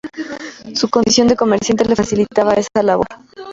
Su condición de comerciante le facilitaba esa labor.